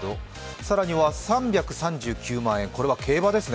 更には３３９万円、これは競馬ですね。